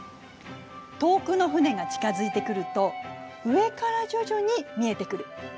遠くの船が近づいてくると上から徐々に見えてくる。